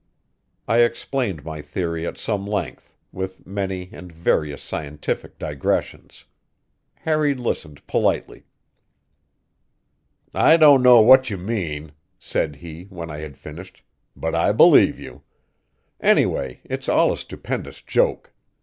I explained my theory at some length, with many and various scientific digressions. Harry listened politely. "I don't know what you mean," said he when I had finished, "but I believe you. Anyway, it's all a stupendous joke.